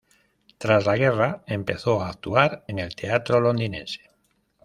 Tras la guerra, empezó a actuar en el teatro londinense.